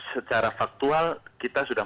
secara faktual kita sudah